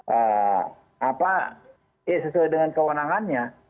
apa ya sesuai dengan kewenangannya